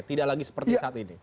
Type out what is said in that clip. tidak lagi seperti saat ini